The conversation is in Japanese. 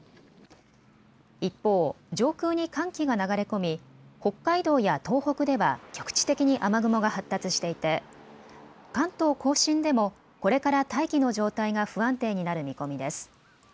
一方、上空に寒気が流れ込み北海道や東北では局地的に雨雲が発達していて関東甲信でもこれから大気の状態が不安定になる見込みです。